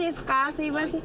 すいません。